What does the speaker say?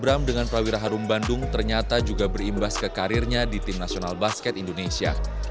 bram dengan prawira harum bandung ternyata juga berimbas ke karirnya di tim nasional basket indonesia